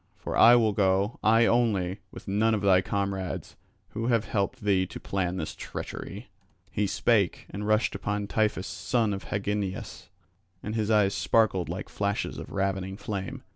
For I will go, I only, with none of thy comrades, who have helped thee to plan this treachery." He spake, and rushed upon Tiphys son of Hagnias; and his eyes sparkled like flashes of ravening flame.